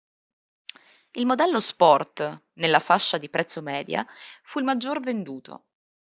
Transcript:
Il modello "Sport", nella fascia di prezzo media, fu il maggior venduto.